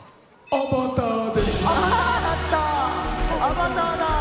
アバターだ。